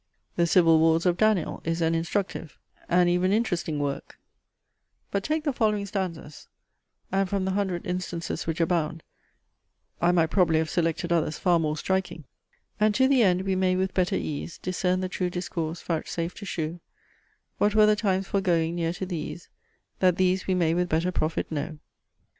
The CIVIL WARS of Daniel is an instructive, and even interesting work; but take the following stanzas, (and from the hundred instances which abound I might probably have selected others far more striking): "And to the end we may with better ease Discern the true discourse, vouchsafe to shew What were the times foregoing near to these, That these we may with better profit know.